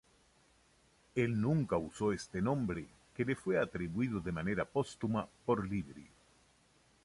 Él nunca usó este nombre, que le fue atribuido de manera póstuma por Libri.